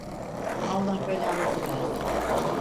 Allah belanızı versin!